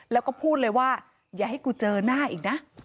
แล้วก็พูดเลยว่าอย่าให้กูเจอหน้าอีกนะ